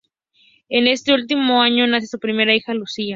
En este último año nace su primera hija, Lucia.